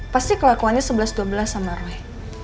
pasti kelakuannya sebelas dua belas sama roh